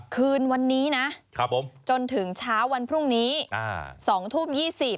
คืนวันนี้นะจนถึงเช้าวันพรุ่งนี้๒ทุ่ม๒๐